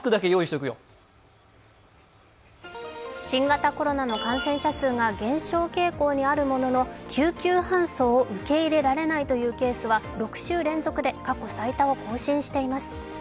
新型コロナが減少傾向にあるものの救急搬送を受け入れられないというケースは６週連続で過去最多を更新しています。